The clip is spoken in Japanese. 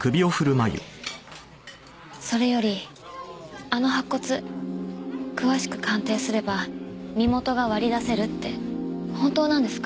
それよりあの白骨詳しく鑑定すれば身元が割り出せるって本当なんですか？